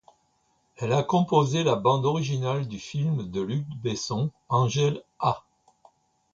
Elle a composé la bande originale du film de Luc Besson Angel-A.